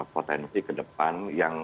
potensi kedepan yang